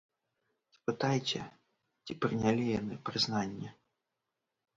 Спытайце, ці прынялі яны прызнанне?